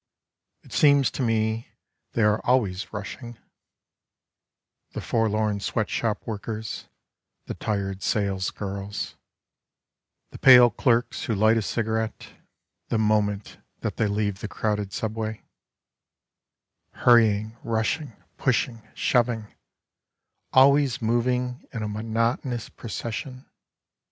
It seems to me they are always rushing — The forlorn sweat shop workers, the tired sales girls, The pale clerks who light a cigarette [«5] J THE RUSH HOUR The moment that they leave the crowded Subway —• Hurrying, rushing, pushing, shoving, Always moving in a monotonous procession.